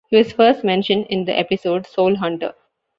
He was first mentioned in the episode "Soul Hunter".